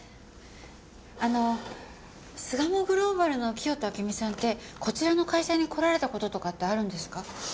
あの巣鴨グローバルの清田暁美さんってこちらの会社に来られた事とかってあるんですか。